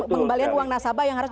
pengembalian uang nasabah yang harus